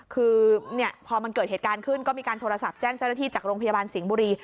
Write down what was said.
คือพอมันเกิดเหตุการณ์ขึ้นก็มีการโทรศัพท์แจ้งเจ้าหน้าที่จากโรงพยาบาลสิงห์บุรี